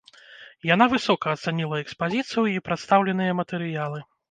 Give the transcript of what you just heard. Яна высока ацаніла экспазіцыю і прадстаўленыя матэрыялы.